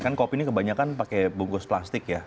kan kopi ini kebanyakan pakai bungkus plastik ya